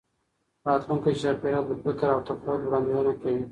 راتلونکي چاپېریال د فکر او تخیل وړاندوینه کوي.